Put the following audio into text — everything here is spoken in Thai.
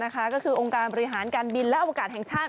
ก็คือองค์การบริหารการบินและอวกาศแห่งชาติ